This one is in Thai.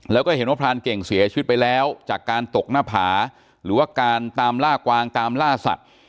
แล้วก็เห็นว่าพรานเก่งเสียชีวิตไปแล้วจากการตกหน้าผาหรือว่าการตามล่ากวางตามล่าสัตว์